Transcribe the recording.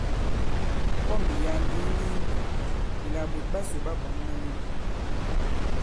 Pɔmbì ya᷅ ndī i ni i ŋkɔ̀ŋ ìlà ɓòt ɓasò ɓa bwǎŋ malew.